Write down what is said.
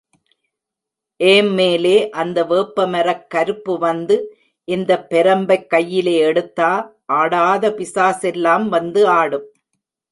ஏம்மேலே அந்த வேப்பமரக் கருப்பு வந்து, இந்தப் பெரம்பைக் கையிலே எடுத்தா ஆடாத பிசாசெல்லாம் வந்து ஆடும்.